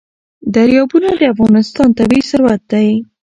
دریابونه د افغانستان طبعي ثروت دی.